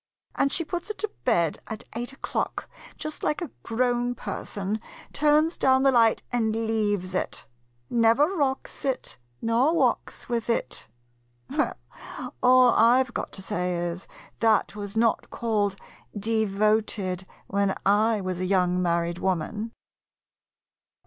And she puts it to bed at eight o'clock, just like a grown person, — turns down the light and leaves it. Never rocks it, nor walks with it. Well, all I 've got to say is, that was not called " devoted " when I was a young married woman!